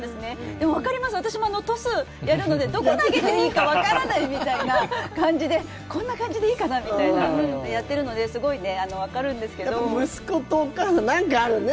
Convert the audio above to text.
でも分かります、私もトスやるのでどこに投げていいか分からないみたいな感じでこんな感じでいいかな？ってやってるので、息子とお母さん、何かあるね。